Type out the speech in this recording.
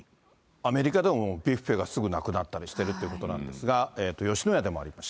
アメリカでもビュッフェがすぐなくなったりしてるということなんですが、吉野家でもありました。